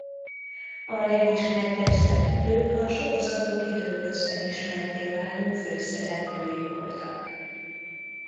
A legismertebb szereplők a sorozatok időközben ismertté váló főszereplői voltak.